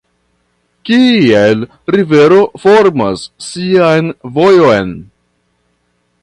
Kiel rivero formas sian vojon.